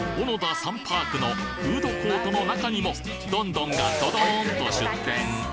サンパークのフードコートの中にもどんどんがどどんと出店！